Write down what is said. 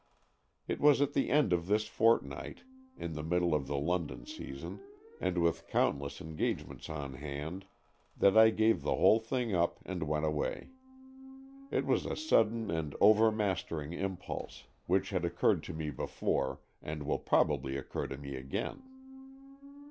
It was at the end of this fortnight, in the middle of the London season, and with countless engagements on hand, that I gave the whole thing up and went away. It was a sudden and overmastering impulse, which had occurred to me before, and will probably occur to me again.